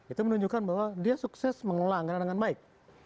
itu menunjukkan bahwa dia sukses mengelola anggaran dengan baik